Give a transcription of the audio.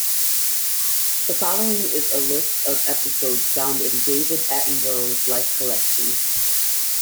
The following is a list of episodes found in David Attenborough's Life collection.